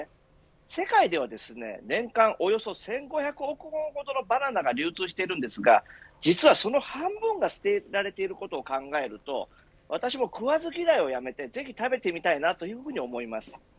世界では年間およそ１５００億本ほどのバナナが流通しているんですが実はその半分が捨てられていることを考えると私も食わず嫌いをやめてぜひ食べてみたいと言うふうに思います。